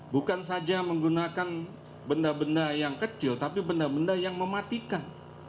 bukan saja menggunakan benda benda yang kecil tapi benda benda yang mematikan